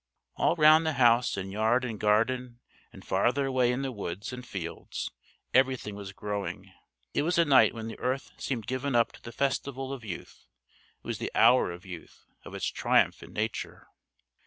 All round the house in yard and garden and farther away in the woods and fields everything was growing. It was a night when the earth seemed given up to the festival of youth: it was the hour of youth: of its triumph in Nature.